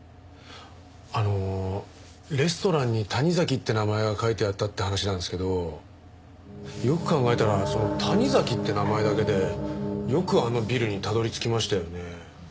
あのレストランに「タニザキ」って名前が書いてあったって話なんですけどよく考えたらその「タニザキ」って名前だけでよくあのビルにたどり着きましたよね。